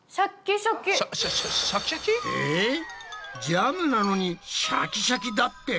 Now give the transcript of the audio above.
ジャムなのにシャキシャキだって？